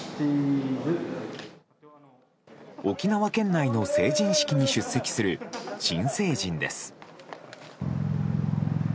沖縄県内の成人式に出席する新成人です。